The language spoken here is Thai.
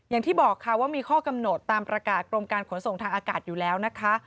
อย่างที่บอกค่ะว่ามีข้อกำหนดตามประกาศกรมการขนส่งทางอากาศอยู่แล้วนะคะ